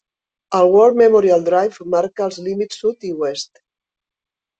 El War Memorial Drive marca els límits sud i oest.